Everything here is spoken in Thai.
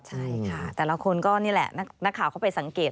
ใช่ค่ะแต่ละคนก็นี่แหละนักข่าวเข้าไปสังเกต